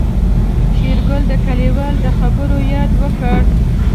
شېرګل د کليوال د خبرو ياد وکړ.